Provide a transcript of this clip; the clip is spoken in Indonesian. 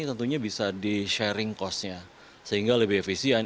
tentunya bisa di sharing cost nya sehingga lebih efisien